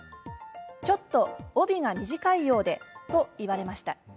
ちょっと帯が短いようでと言われました。